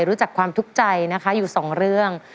รู้จักความทุกข์ใจนะคะอยู่สองเรื่อง